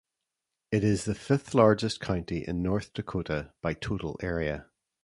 It is the fifth-largest county in North Dakota by total area.